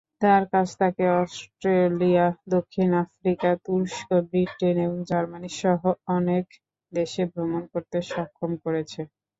তার কাজ তাকে অস্ট্রেলিয়া, দক্ষিণ আফ্রিকা, তুরস্ক, ব্রিটেন এবং জার্মানি সহ অনেক দেশে ভ্রমণ করতে সক্ষম করেছে।